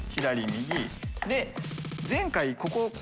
で前回ここ。